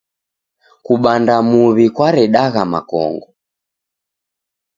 Kubanda muw'i kwaredagha makongo.